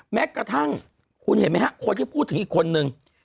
แม้กระทั่งคุณเห็นไหมฮะคนที่พูดถึงอีกคนนึง